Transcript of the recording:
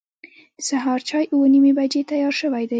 د سهار چای اوه نیمې بجې تیار شوی و.